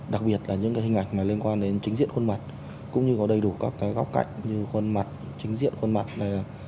đặc biệt là những cái hình ảnh liên quan đến chính diện khuôn mặt cũng như có đầy đủ các cái góc cạnh như khuôn mặt chính diện khuôn mặt này